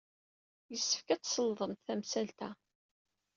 Yessefk ad tselḍemt tamsalt-a.